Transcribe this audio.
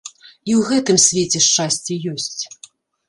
І ў гэтым свеце шчасце ёсць.